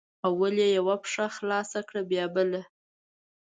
اول یې یوه پښه خلاصه کړه بیا بله